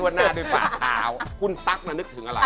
หน้าด้วยฝ่าเท้าคุณตั๊กน่ะนึกถึงอะไร